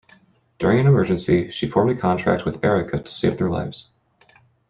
During an emergency, she formed a contract with Arika to save their lives.